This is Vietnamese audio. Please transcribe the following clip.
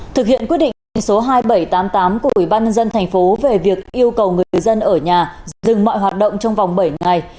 thực hiện quyết định số hai nghìn bảy trăm tám mươi tám của ubnd thành phố về việc yêu cầu người dân ở nhà dừng mọi hoạt động trong vòng bảy ngày